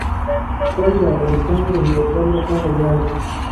کلي د افغانستان د هیوادوالو لپاره ویاړ دی.